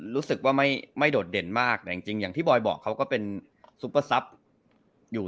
รู้สึกว่าไม่โดดเด่นมากแต่จริงอย่างที่บอยบอกเขาก็เป็นซุปเปอร์ซับอยู่